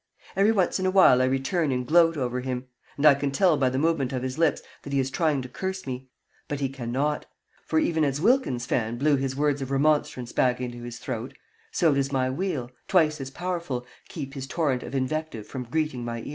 Every once in a while I return and gloat over him; and I can tell by the movement of his lips that he is trying to curse me, but he cannot, for, even as Wilkins's fan blew his words of remonstrance back into his throat, so does my wheel, twice as powerful, keep his torrent of invective from greeting my ear.